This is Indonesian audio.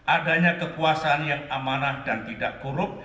adanya kekuasaan yang amanah dan tidak kurup